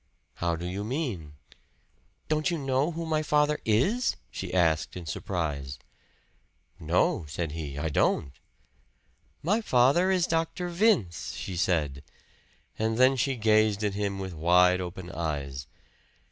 "How do you mean?" "Don't you know who my father is?" she asked in surprise. "No," said he, "I don't." "My father is Dr. Vince," she said; and then she gazed at him with wide open eyes.